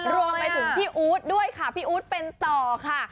รวมไปถึงพี่อู๊ดด้วยค่ะพี่อู๊ดเป็นต่อค่ะ